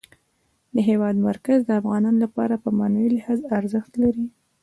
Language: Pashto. د هېواد مرکز د افغانانو لپاره په معنوي لحاظ ارزښت لري.